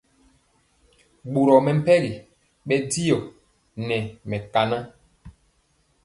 Boro mɛmpegi bɛndiɔ nɛ mɛkanan.